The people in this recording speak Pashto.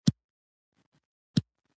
هغه چای نه څښي.